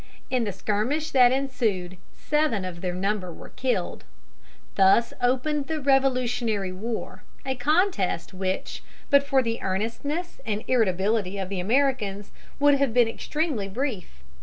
In the skirmish that ensued, seven of their number were killed. Thus opened the Revolutionary War, a contest which but for the earnestness and irritability of the Americans would have been extremely brief.